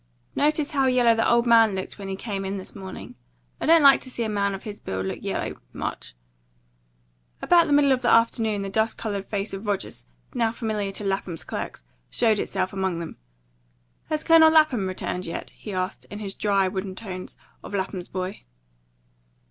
Notice how yellow the old man looked when he came in this morning? I don't like to see a man of his build look yellow much." About the middle of the afternoon the dust coloured face of Rogers, now familiar to Lapham's clerks, showed itself among them. "Has Colonel Lapham returned yet?" he asked, in his dry, wooden tones, of Lapham's boy.